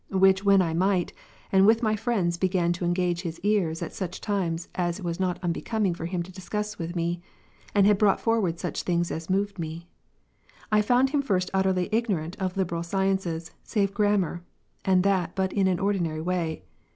Which when I might, and with my friends began to engage his ears at such times as it was not unbecoming for him to discuss with me, and had brought forward such things as moved me ; I foundhim first utterly ignorant of liberal sciences, save gram mar, and that but in an ordinary way.